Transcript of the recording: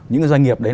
những doanh nghiệp đấy